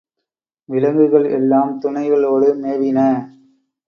விலங்குகள் எல்லாம் துணைகளோடு மேவின.